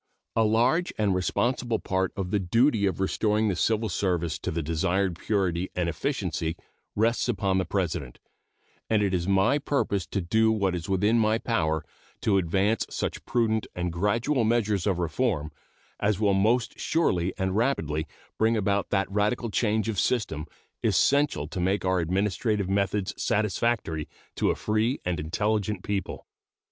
A large and responsible part of the duty of restoring the civil service to the desired purity and efficiency rests upon the President, and it is my purpose to do what is within my power to advance such prudent and gradual measures of reform as will most surely and rapidly bring about that radical change of system essential to make our administrative methods satisfactory to a free and intelligent people.